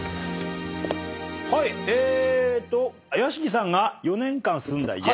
えーっと屋敷さんが４年間住んだ家。